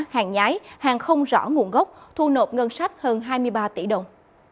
hàng nhái hàng không rõ nguồn gốc thu nộp ngân sách hơn hai mươi ba tỷ đồng